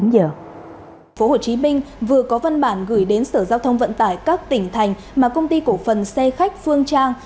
tp hcm vừa có văn bản gửi đến sở giao thông vận tải các tỉnh thành mà công ty cổ phần xe khách phương trang